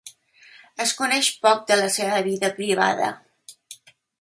Es coneix poc de la seva vida privada.